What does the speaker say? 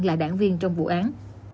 là đảng viên trong vụ án